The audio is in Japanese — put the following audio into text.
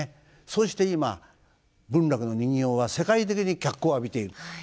そして今文楽の人形は世界的に脚光を浴びている。